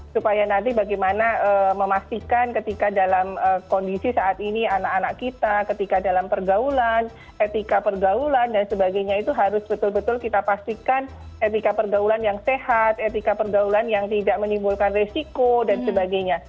supaya nanti bagaimana memastikan ketika dalam kondisi saat ini anak anak kita ketika dalam pergaulan etika pergaulan dan sebagainya itu harus betul betul kita pastikan etika pergaulan yang sehat etika pergaulan yang tidak menimbulkan resiko dan sebagainya